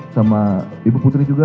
sama ibu putri juga